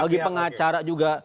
bagi pengacara juga